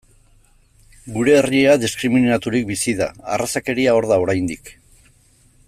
Gure herria diskriminaturik bizi da, arrazakeria hor da oraindik.